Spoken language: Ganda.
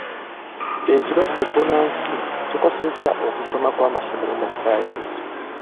Ekirwadde bbunansi kikosezza okusoma kw'amasomo ga ssaayansi.